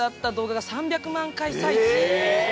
え！